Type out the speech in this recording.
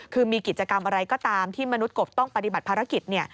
คือมีกิจกรรมอะไรก็ตามที่มนุษย์กบต้องปฏิบัติภารกิจ